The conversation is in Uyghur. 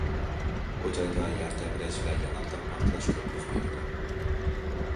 بۇ جايدا يەر تەۋرەش ۋە يانار تاغ پارتلاش كۆپ يۈز بېرىدۇ.